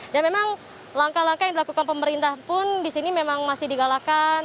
dan memang langkah langkah yang dilakukan pemerintah pun disini memang masih digalakan